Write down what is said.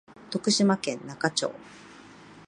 徳島県那賀町